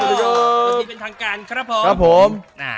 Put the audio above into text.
วันนี้เป็นทางการครับผม